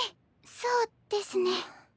そうですね。